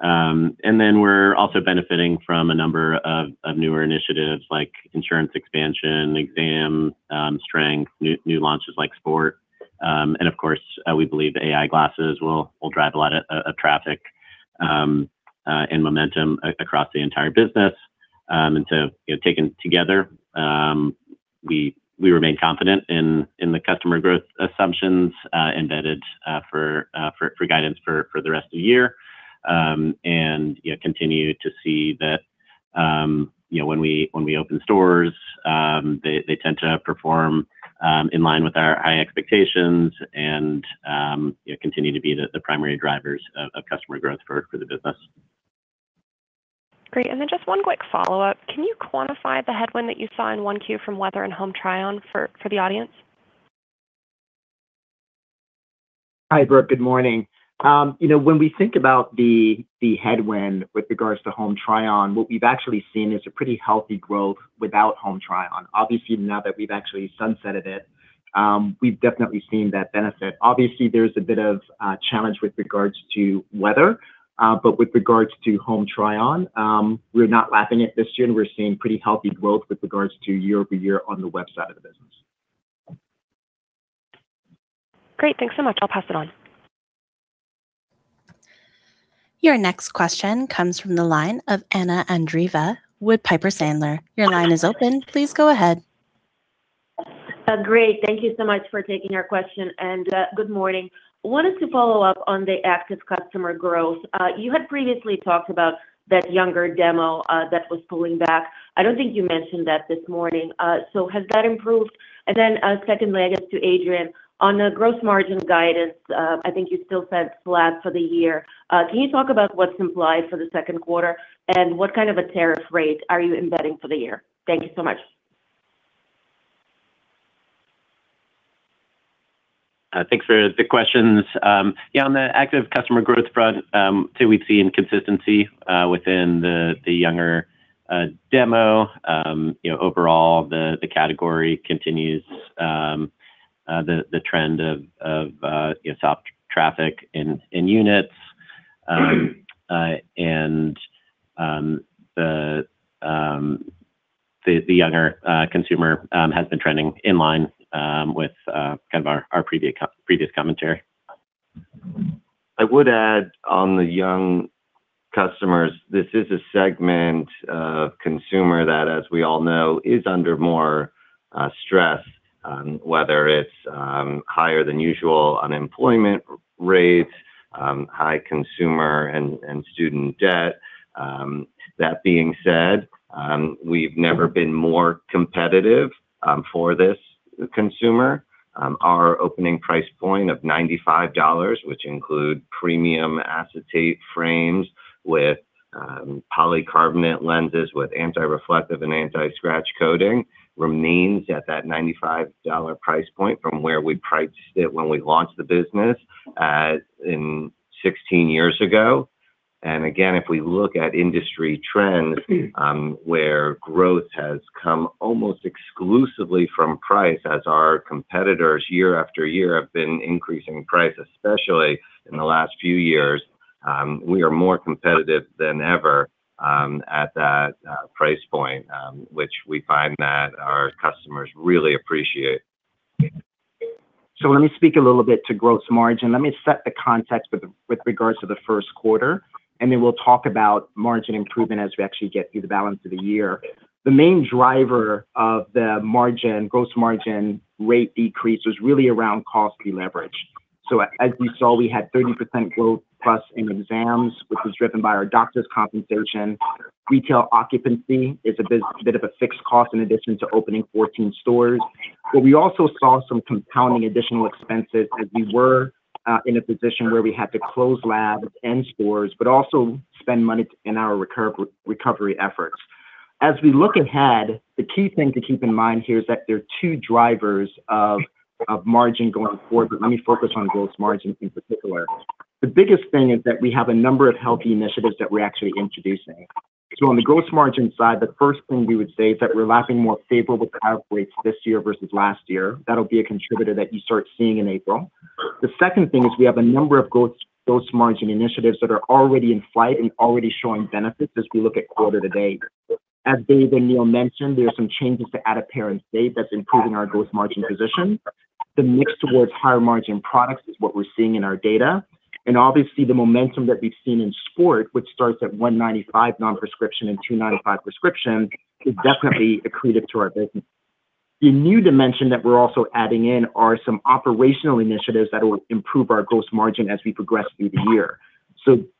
D: Then we're also benefiting from a number of newer initiatives like insurance expansion, exam strength, new launches like Sport. Of course, we believe AI glasses will drive a lot of traffic and momentum across the entire business. You know, taken together, we remain confident in the customer growth assumptions embedded for guidance for the rest of the year. You know, continue to see that, you know, when we open stores, they tend to perform in line with our high expectations and, you know, continue to be the primary drivers of customer growth for the business.
G: Great. Just one quick follow-up. Can you quantify the headwind that you saw in 1Q from weather and Home Try-On for the audience?
C: Hi, Brooke. Good morning. You know, when we think about the headwind with regards to Home Try-On, what we've actually seen is a pretty healthy growth without Home Try-On. Obviously, now that we've actually sunsetted it, we've definitely seen that benefit. Obviously, there's a bit of challenge with regards to weather, but with regards to Home Try-On, we're not lapping it this year, and we're seeing pretty healthy growth with regards to year-over-year on the web side of the business.
G: Great. Thanks so much. I'll pass it on.
A: Your next question comes from the line of Anna Andreeva with Piper Sandler. Your line is open. Please go ahead.
H: Great. Thank you so much for taking our question, and good morning. Wanted to follow up on the active customer growth. You had previously talked about that younger demo that was pulling back. I don't think you mentioned that this morning. Has that improved? Secondly, I guess to Adrian, on the gross margin guidance, I think you still said flat for the year. Can you talk about what's implied for the second quarter, and what kind of a tariff rate are you embedding for the year? Thank you so much.
D: Thanks for the questions. Yeah, on the active customer growth front, we've seen consistency within the younger demo. You know, overall the category continues the trend of soft traffic in units. The younger consumer has been trending in line with kind of our previous commentary.
C: I would add on the young customers, this is a segment of consumer that, as we all know, is under more stress, whether it's higher than usual unemployment rates, high consumer and student debt. That being said, we've never been more competitive for this consumer. Our opening price point of $95, which include premium acetate frames with polycarbonate lenses with anti-reflective and anti-scratch coating, remains at that $95 price point from where we priced it when we launched the business in 16 years ago. Again, if we look at industry trends, where growth has come almost exclusively from price as our competitors year after year have been increasing price, especially in the last few years, we are more competitive than ever at that price point, which we find that our customers really appreciate.
E: Let me speak a little bit to gross margin. Let me set the context with regards to the first quarter, and then we'll talk about margin improvement as we actually get through the balance of the year. The main driver of the margin, gross margin rate decrease was really around cost deleverage. As we saw, we had 30% growth plus in exams, which was driven by our doctor's compensation. Retail occupancy is a bit of a fixed cost in addition to opening 14 stores. We also saw some compounding additional expenses as we were in a position where we had to close labs and stores, also spend money in our recovery efforts. As we look ahead, the key thing to keep in mind here is that there are two drivers of margin going forward. Let me focus on gross margin in particular. The biggest thing is that we have a number of healthy initiatives that we're actually introducing. On the gross margin side, the first thing we would say is that we're lapping more favorable comp rates this year versus last year. That'll be a contributor that you start seeing in April. The second thing is we have a number of gross margin initiatives that are already in flight and already showing benefits as we look at quarter to date. As Dave and Neil mentioned, there are some changes to out-of-network that's improving our gross margin position. The mix towards higher margin products is what we're seeing in our data. Obviously the momentum that we've seen in Sport, which starts at $195 non-prescription and $295 prescription, is definitely accretive to our business. The new dimension that we're also adding in are some operational initiatives that will improve our gross margin as we progress through the year.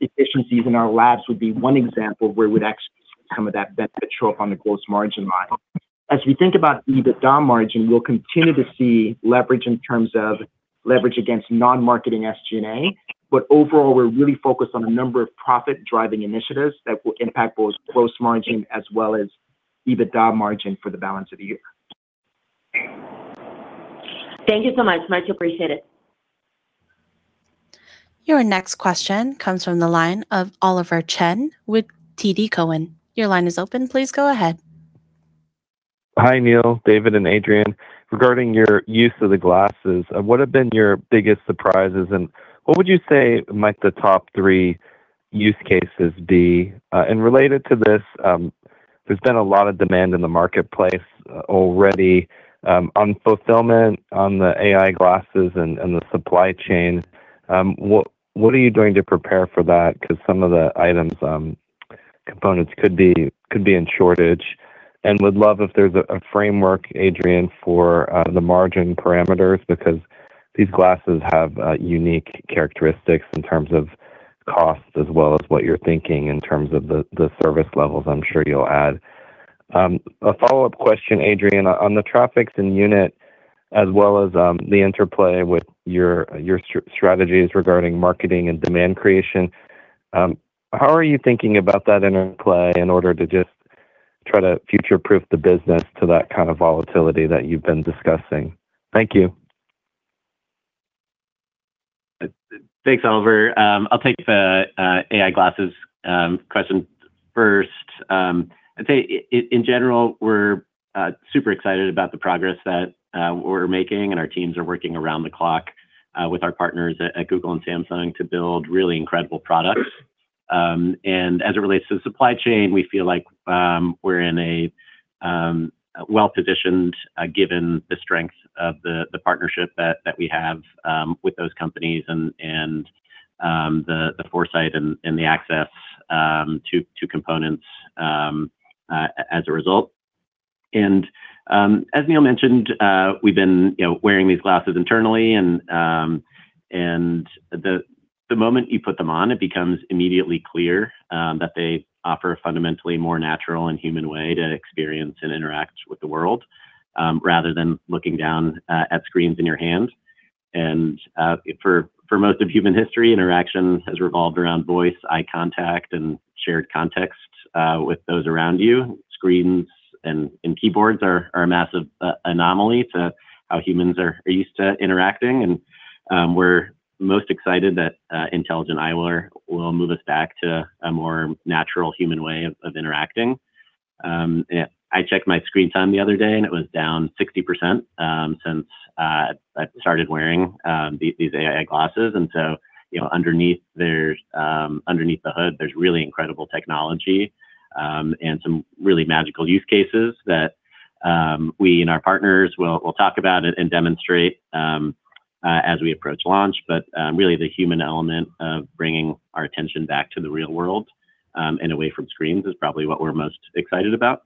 E: Efficiencies in our labs would be one example where we'd actually see some of that benefit show up on the gross margin line. As we think about EBITDA margin, we'll continue to see leverage in terms of leverage against non-marketing SG&A. Overall, we're really focused on a number of profit-driving initiatives that will impact both gross margin as well as EBITDA margin for the balance of the year.
H: Thank you so much. Much appreciated.
A: Your next question comes from the line of Oliver Chen with TD Cowen. Your line is open. Please go ahead.
I: Hi, Neil, Dave, and Adrian. Regarding your use of the glasses, what have been your biggest surprises, and what would you say might the top three use cases be? Related to this, there's been a lot of demand in the marketplace already on fulfillment on the AI glasses and the supply chain. What are you doing to prepare for that? Because some of the items, components could be in shortage. Would love if there's a framework, Adrian, for the margin parameters, because these glasses have unique characteristics in terms of costs as well as what you're thinking in terms of the service levels, I'm sure you'll add. A follow-up question, Adrian. On the traffics and unit as well as, the interplay with your strategies regarding marketing and demand creation, how are you thinking about that interplay in order to just try to future-proof the business to that kind of volatility that you've been discussing? Thank you.
D: Thanks, Oliver. I'll take the AI glasses question first. I'd say in general, we're super excited about the progress that we're making, our teams are working around the clock with our partners at Google and Samsung to build really incredible products. As it relates to the supply chain, we feel like we're in a well-positioned given the strength of the partnership that we have with those companies and the foresight and the access to components as a result. As Neil mentioned, we've been, you know, wearing these glasses internally, the moment you put them on, it becomes immediately clear that they offer a fundamentally more natural and human way to experience and interact with the world, rather than looking down at screens in your hand. For most of human history, interaction has revolved around voice, eye contact, and shared context with those around you. Screens and keyboards are a massive anomaly to how humans are used to interacting, and we're most excited that intelligent eyewear will move us back to a more natural human way of interacting. Yeah, I checked my screen time the other day, and it was down 60% since I started wearing these AI glasses. You know, underneath, there's underneath the hood, there's really incredible technology and some really magical use cases that we and our partners will talk about and demonstrate as we approach launch. Really the human element of bringing our attention back to the real world and away from screens is probably what we're most excited about.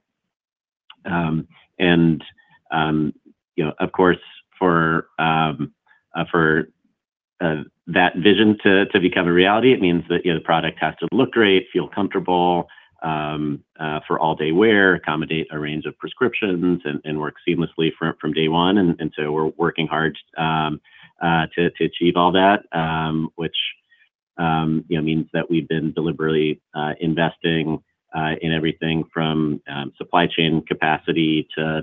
D: You know, of course, for that vision to become a reality, it means that, you know, the product has to look great, feel comfortable for all-day wear, accommodate a range of prescriptions, and work seamlessly from day one. We're working hard to achieve all that, which means that we've been deliberately investing in everything from supply chain capacity to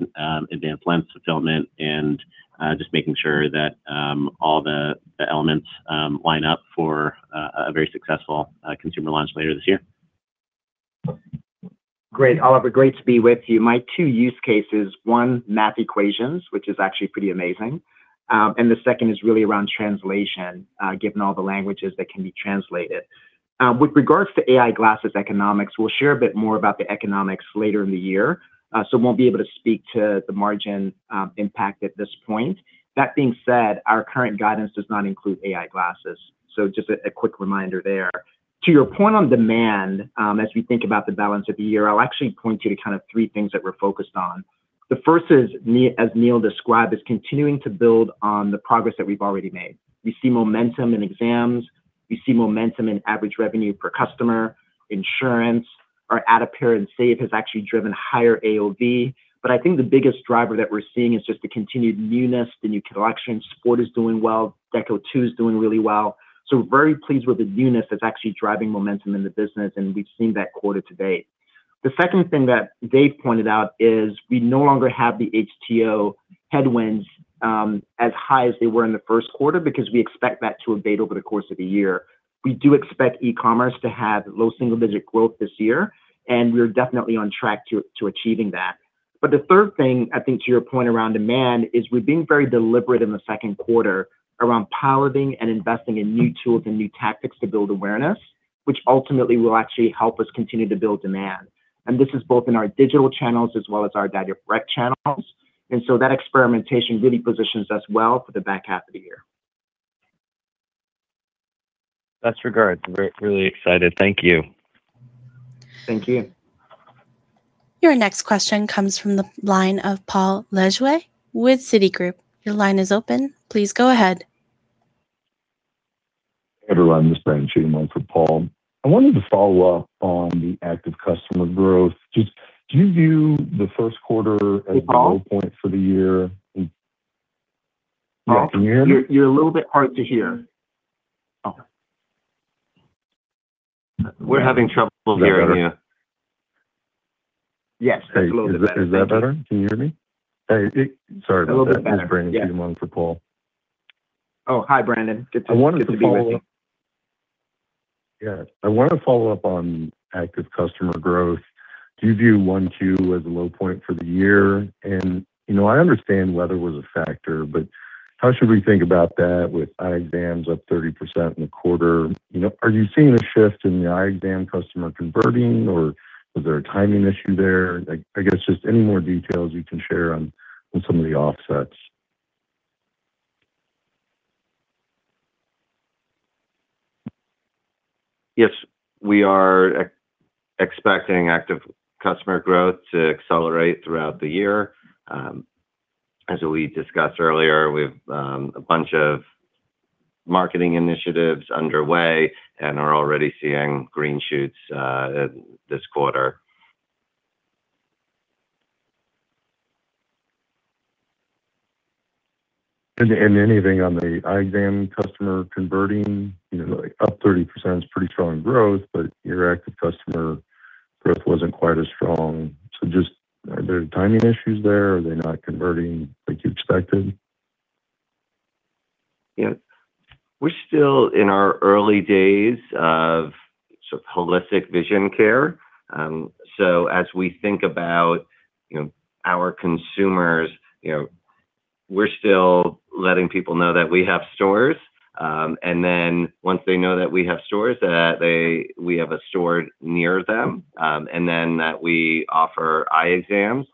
D: advanced lens fulfillment and just making sure that all the elements line up for a very successful consumer launch later this year.
E: Great. Oliver, great to be with you. My two use cases, one, math equations, which is actually pretty amazing. The second is really around translation, given all the languages that can be translated. With regards to AI glasses economics, we'll share a bit more about the economics later in the year, so won't be able to speak to the margin impact at this point. That being said, our current guidance does not include AI glasses, so just a quick reminder there. To your point on demand, as we think about the balance of the year, I'll actually point you to kind of three things that we're focused on. The first is as Neil described, is continuing to build on the progress that we've already made. We see momentum in exams. We see momentum in average revenue per customer. Insurance. Our Add a Pair and Save has actually driven higher AOV. I think the biggest driver that we're seeing is just the continued newness, the new collection. Sport is doing well. Deco two is doing really well. We're very pleased with the newness that's actually driving momentum in the business, and we've seen that quarter to date. The second thing that Dave pointed out is we no longer have the HTO headwinds, as high as they were in the first quarter because we expect that to abate over the course of the year. We do expect e-commerce to have low single-digit growth this year, and we're definitely on track to achieving that. The third thing, I think to your point around demand, is we're being very deliberate in the second quarter around piloting and investing in new tools and new tactics to build awareness, which ultimately will actually help us continue to build demand. This is both in our digital channels as well as our direct channels. That experimentation really positions us well for the back half of the year.
I: Best regards. We're really excited. Thank you.
E: Thank you.
A: Your next question comes from the line of Paul Lejuez with Citigroup. Your line is open. Please go ahead.
J: Hey, everyone. This is Brandon Cheatham on for Paul. I wanted to follow up on the active customer growth. Just, do you view the first quarter.
E: Hey, Paul.
J: The low point for the year? Yeah, can you hear me?
E: You're a little bit hard to hear. Okay.
D: We're having trouble hearing you.
J: Is that better?
E: Yes, that's a little bit better. Thank you.
J: Hey, is that better? Can you hear me? Hey, Sorry about that.
E: A little bit better. Yeah.
J: This is Brandon Cheatham on for Paul.
E: Oh, hi, Brandon. Good to be with you.
J: Yeah. I wanted to follow up on active customer growth. Do you view one, two as a low point for the year? You know, I understand weather was a factor, but how should we think about that with eye exams up 30% in the quarter? You know, are you seeing a shift in the eye exam customer converting, or is there a timing issue there? Like, I guess just any more details you can share on some of the offsets.
D: Yes, we are expecting active customer growth to accelerate throughout the year. As we discussed earlier, we've a bunch of marketing initiatives underway and are already seeing green shoots this quarter.
J: Anything on the eye exam customer converting? You know, like, up 30% is pretty strong growth, but your active customer growth wasn't quite as strong. Just are there timing issues there? Are they not converting like you expected?
D: Yeah. We're still in our early days of sort of holistic vision care. As we think about, you know, our consumers, you know, we're still letting people know that we have stores, and then once they know that we have stores, we have a store near them, and then that we offer eye exams.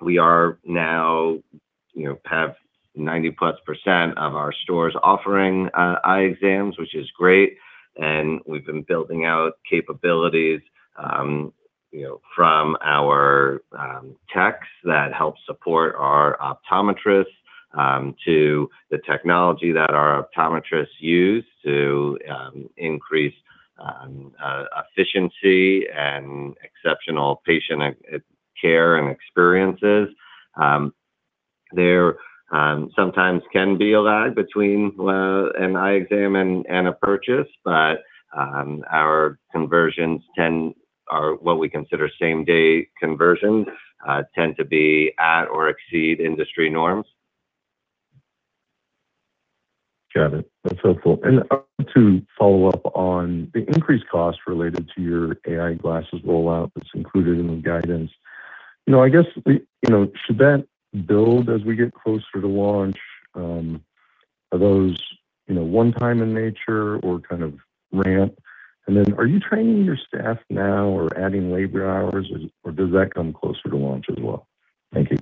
D: We are now, you know, have 90%+ of our stores offering eye exams, which is great, and we've been building out capabilities, you know, from our techs that help support our optometrists, to the technology that our optometrists use to increase efficiency and exceptional patient e-care and experiences. There sometimes can be a lag between an eye exam and a purchase, but our what we consider same-day conversions tend to be at or exceed industry norms.
J: Got it. That's helpful. To follow up on the increased cost related to your AI glasses rollout that's included in the guidance, should that build as we get closer to launch? Are those, one time in nature or kind of ramp? Are you training your staff now or adding labor hours, or does that come closer to launch as well? Thank you.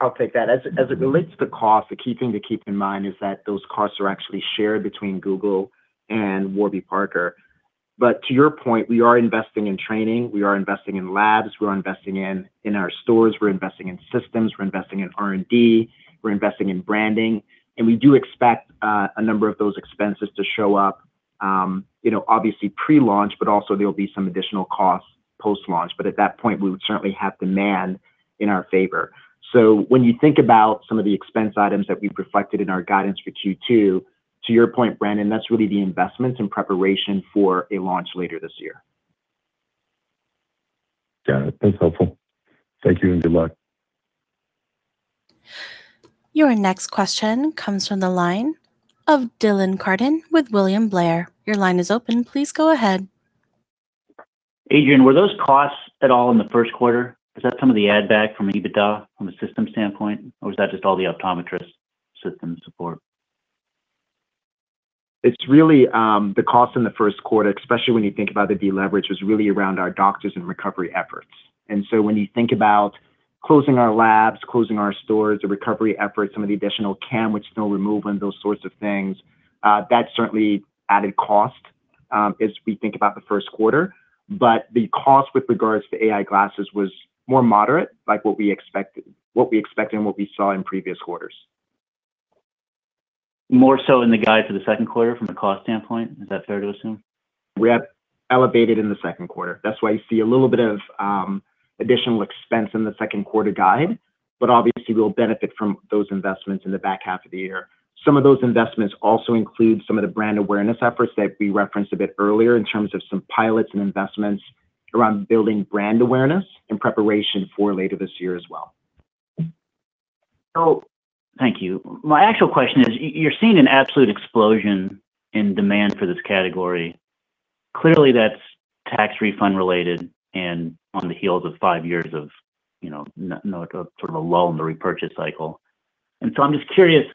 E: I'll take that. As it relates to cost, the key thing to keep in mind is that those costs are actually shared between Google and Warby Parker. To your point, we are investing in training, we are investing in labs, we're investing in our stores, we're investing in systems, we're investing in R&D, we're investing in branding, and we do expect a number of those expenses to show up, you know, obviously pre-launch, but also there'll be some additional costs post-launch. At that point, we would certainly have demand in our favor. When you think about some of the expense items that we reflected in our guidance for Q2, to your point, Brandon, that's really the investments in preparation for a launch later this year.
J: Got it. That's helpful. Thank you, and good luck.
A: Your next question comes from the line of Dylan Carden with William Blair. Your line is open. Please go ahead.
K: Adrian, were those costs at all in the first quarter? Is that some of the add back from EBITDA from a system standpoint, or was that just all the optometrist system support?
E: It's really, the cost in the first quarter, especially when you think about the deleverage, was really around our doctors and recovery efforts. When you think about closing our labs, closing our stores, the recovery efforts, some of the additional cam which still removing those sorts of things, that certainly added cost, as we think about the first quarter. The cost with regards to AI glasses was more moderate, like what we expected and what we saw in previous quarters.
K: More so in the guide for the second quarter from a cost standpoint, is that fair to assume?
E: We have elevated in the second quarter. That's why you see a little bit of additional expense in the second quarter guide. Obviously we'll benefit from those investments in the back half of the year. Some of those investments also include some of the brand awareness efforts that we referenced a bit earlier in terms of some pilots and investments around building brand awareness in preparation for later this year as well.
K: Thank you. My actual question is, you're seeing an absolute explosion in demand for this category. Clearly, that's tax refund related and on the heels of five years of, you know, no, sort of a lull in the repurchase cycle. I'm just curious.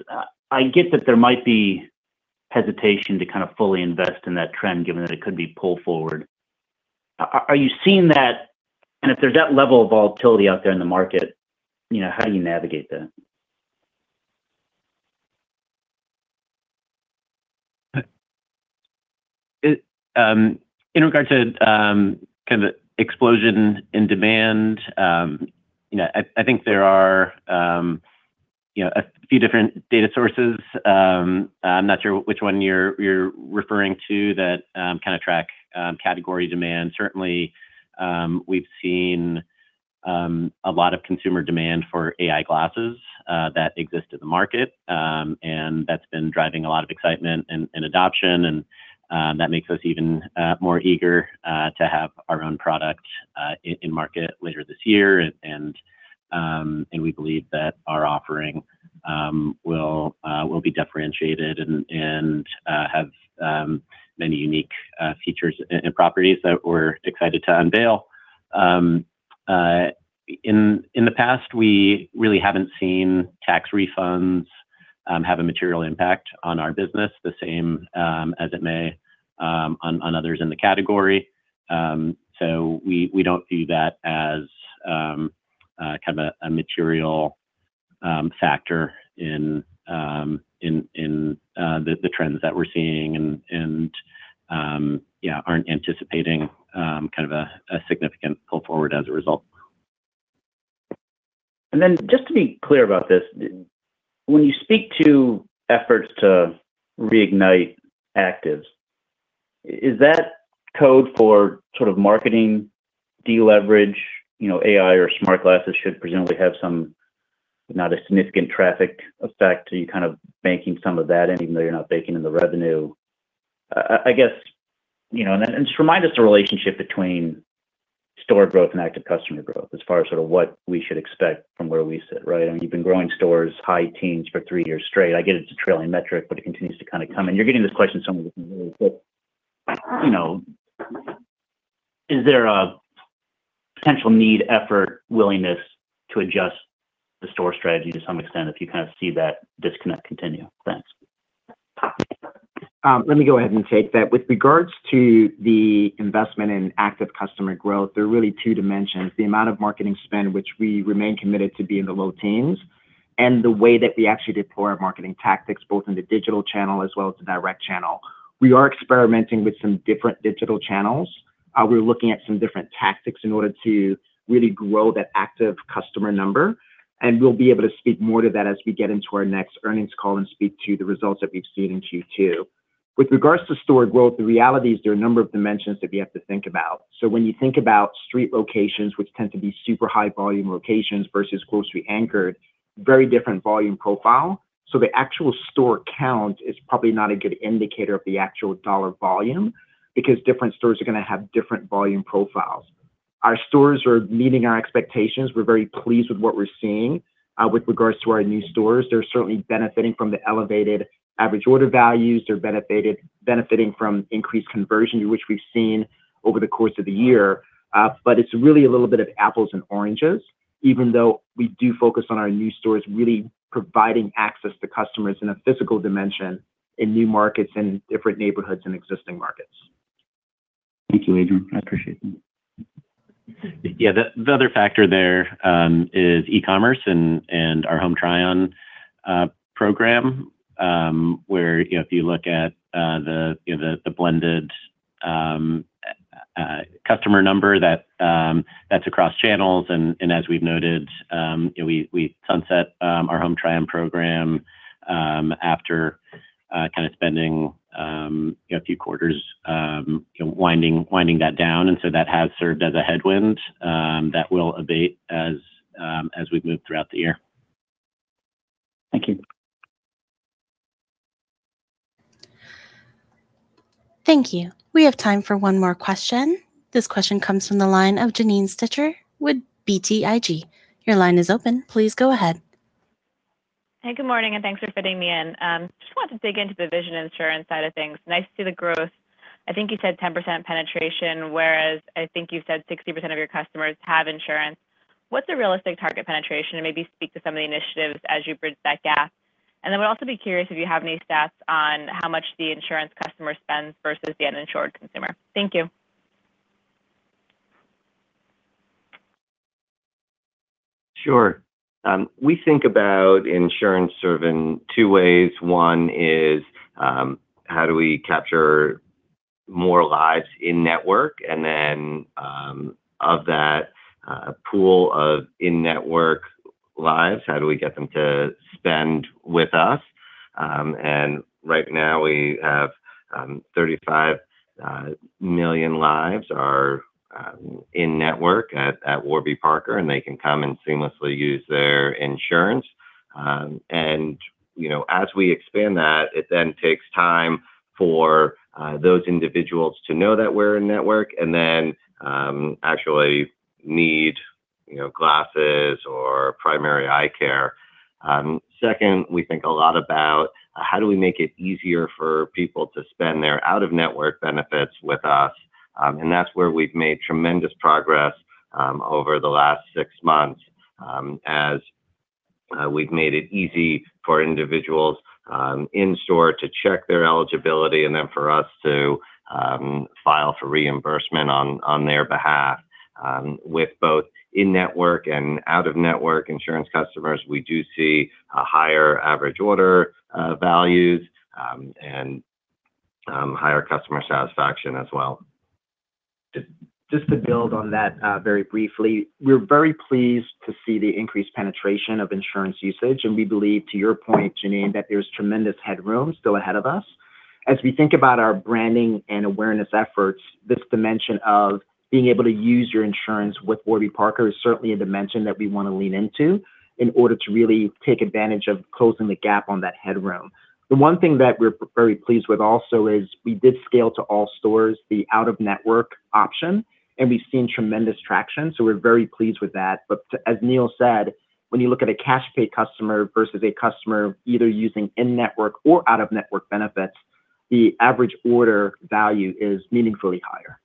K: I get that there might be hesitation to kind of fully invest in that trend given that it could be pull forward. Are you seeing that? If there's that level of volatility out there in the market, you know, how do you navigate that?
D: It in regards to kind of explosion in demand, you know, I think there are, you know, a few different data sources. I'm not sure which one you're referring to that kind of track category demand. Certainly, we've seen a lot of consumer demand for AI glasses that exist in the market, and that's been driving a lot of excitement and adoption and that makes us even more eager to have our own product in market later this year. We believe that our offering will be differentiated and have many unique features and properties that we're excited to unveil. In the past, we really haven't seen tax refunds have a material impact on our business the same as it may on others in the category. We, we don't see that as kind of a material factor in the trends that we're seeing and, yeah, aren't anticipating kind of a significant pull forward as a result.
K: Then just to be clear about this, when you speak to efforts to reignite actives, is that code for sort of marketing deleverage? You know, AI or smart glasses should presumably have some, not a significant traffic effect, you're kind of baking some of that in even though you're not baking in the revenue. I guess, you know, just remind us the relationship between store growth and active customer growth as far as sort of what we should expect from where we sit, right? I mean, you've been growing stores high teens for three years straight. I get it's a trailing metric, it continues to kind of come, you're getting this question somewhat regularly, you know, is there a potential need, effort, willingness to adjust the store strategy to some extent if you kind of see that disconnect continue? Thanks.
E: Let me go ahead and take that. With regards to the investment in active customer growth, there are really two dimensions: the amount of marketing spend, which we remain committed to be in the low teens, and the way that we actually deploy our marketing tactics, both in the digital channel as well as the direct channel. We're looking at some different tactics in order to really grow that active customer number, and we'll be able to speak more to that as we get into our next earnings call and speak to the results that we've seen in Q2. With regards to store growth, the reality is there are a number of dimensions that we have to think about. When you think about street locations, which tend to be super high volume locations versus grocery anchored, very different volume profile. The actual store count is probably not a good indicator of the actual dollar volume because different stores are gonna have different volume profiles. Our stores are meeting our expectations. We're very pleased with what we're seeing with regards to our new stores. They're certainly benefiting from the elevated average order values. They're benefiting from increased conversion, which we've seen over the course of the year. It's really a little bit of apples and oranges, even though we do focus on our new stores really providing access to customers in a physical dimension in new markets and different neighborhoods and existing markets.
K: Thank you, Adrian. I appreciate that.
C: Yeah. The other factor there is e-commerce and our Home Try-On program, where, you know, if you look at the blended customer number that that's across channels. As we've noted, you know, we sunset our Home Try-On program after kind of spending, you know, a few quarters, you know, winding that down. That has served as a headwind that will abate as we move throughout the year.
K: Thank you.
A: Thank you. We have time for one more question. This question comes from the line of Janine Stichter with BTIG. Your line is open. Please go ahead.
L: Hey, good morning, and thanks for fitting me in. Just wanted to dig into the vision insurance side of things. Nice to see the growth. I think you said 10% penetration, whereas I think you said 60% of your customers have insurance. What's a realistic target penetration? Maybe speak to some of the initiatives as you bridge that gap. Would also be curious if you have any stats on how much the insurance customer spends versus the uninsured consumer. Thank you.
C: Sure. We think about insurance sort of in two ways. One is, how do we capture more lives in-network? Then, of that pool of in-network lives, how do we get them to spend with us? Right now we have 35 million lives are in-network at Warby Parker, and they can come and seamlessly use their insurance. You know, as we expand that, it then takes time for those individuals to know that we're in-network and then actually need, you know, glasses or primary eye care. Second, we think a lot about how do we make it easier for people to spend their out-of-network benefits with us? That's where we've made tremendous progress over the last six months as we've made it easy for individuals in store to check their eligibility and then for us to file for reimbursement on their behalf. With both in-network and out-of-network insurance customers, we do see a higher average order values and higher customer satisfaction as well.
E: Just to build on that, very briefly, we're very pleased to see the increased penetration of insurance usage, and we believe, to your point, Janine, that there's tremendous headroom still ahead of us. As we think about our branding and awareness efforts, this dimension of being able to use your insurance with Warby Parker is certainly a dimension that we wanna lean into in order to really take advantage of closing the gap on that headroom. The one thing that we're very pleased with also is we did scale to all stores the out-of-network option, and we've seen tremendous traction, so we're very pleased with that. As Neil said, when you look at a cash pay customer versus a customer either using in-network or out-of-network benefits, the average order value is meaningfully higher.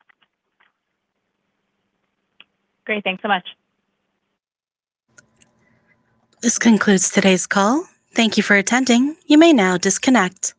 L: Great. Thanks so much.
A: This concludes today's call. Thank you for attending. You may now disconnect.